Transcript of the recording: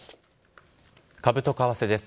株と為替です。